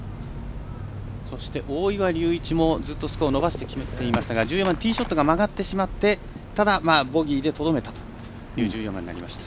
そして、大岩龍一もずっとスコアを伸ばしてきていましたが１４番、ティーショットが曲がってしまってただ、ボギーでとどめたという１４番になりました。